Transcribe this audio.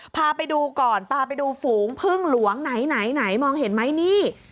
พาไปดูก่อนพาไปดูฝูงพึ่งหลวงไหนไหนมองเห็นไหมนี่